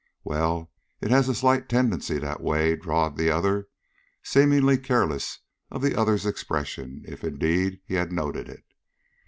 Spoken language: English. "Well, it has a slight tendency that way," drawled the other, seemingly careless of the other's expression, if, indeed, he had noted it.